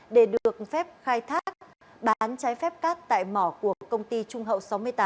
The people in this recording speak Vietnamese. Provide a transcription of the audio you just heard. để được phép khai thác bán trái phép cát tại mỏ của công ty trung hậu sáu mươi tám